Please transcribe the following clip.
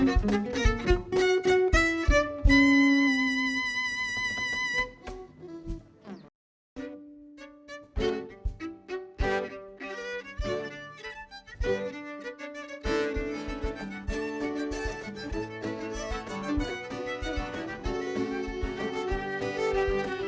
ya gak berhenti berhenti ya